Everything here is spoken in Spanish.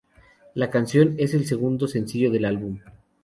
La canción es el segundo sencillo del álbum.